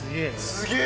すげえ！